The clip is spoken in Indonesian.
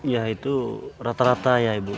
ya itu rata rata ya ibu